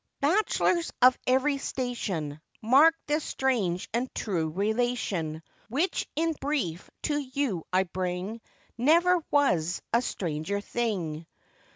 BACHELORS of every station, Mark this strange and true relation, Which in brief to you I bring,— Never was a stranger thing!